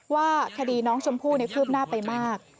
ว่าคดีน้องชมพู่คืบหน้าไปมาก